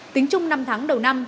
tính chung năm tháng đầu năm